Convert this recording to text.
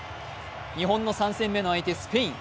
日本の３戦目の相手スペイン。